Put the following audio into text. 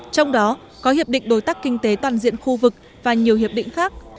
trong đó có hiệp định đối tác kinh tế toàn diện khu vực và nhiều hiệp định khác